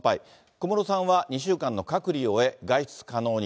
小室さんは、２週間の隔離を終え、外出可能に。